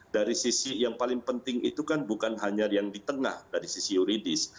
dari sisi yang paling penting itu kan bukan hanya yang di tengah dari sisi yuridis